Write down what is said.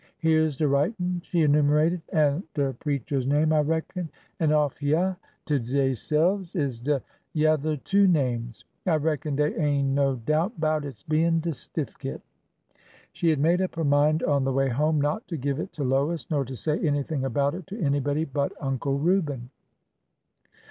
'' Here 's de writin'," she enumerated ;'' an' de preach er's name, I reckon ; an' off hyeah to deyse'ves is de yether two names. I reckon dey ain' no doubt 'bout its bein' de stiffkit." She had made up her mind on the way home not to give it to Lois, nor to say anything about it to anybody but Uncle Reuben.